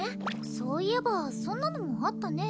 そういえばそんなのもあったね